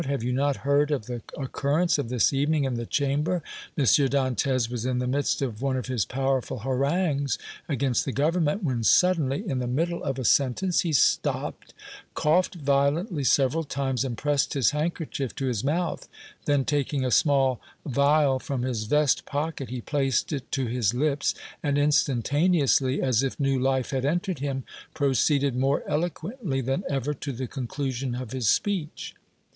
"Have you not heard of the occurrence of this evening in the Chamber? M. Dantès was in the midst of one of his powerful harangues against the Government, when suddenly, in the middle of a sentence, he stopped coughed violently several times, and pressed his handkerchief to his mouth; then taking a small vial from his vest pocket, he placed it to his lips, and instantaneously, as if new life had entered him, proceeded more eloquently than ever to the conclusion of his speech."